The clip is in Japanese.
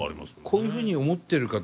こういうふうに思ってる方